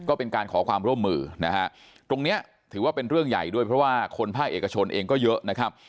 ก็เป็นการขอความร่วมมือนะฮะตรงนี้ถือว่าเป็นเรื่องใหญ่ด้วยเพราะว่าคนภาคเอกชนเองก็เยอะนะครับ